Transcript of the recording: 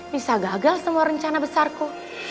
bisa gagal semua rencana besarku